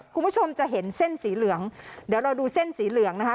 คุณผู้ชมจะเห็นเส้นสีเหลืองเดี๋ยวเราดูเส้นสีเหลืองนะคะ